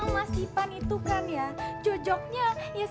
masih banyak ini